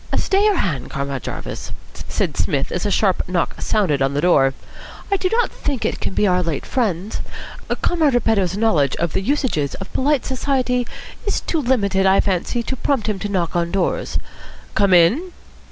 "Stay your hand, Comrade Jarvis," said as a sharp knock sounded on the door. "I do not think it can be our late friends. Comrade Repetto's knowledge of the usages of polite society is too limited, I fancy, to prompt him to knock on doors. Come in."